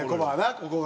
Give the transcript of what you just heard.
ここが。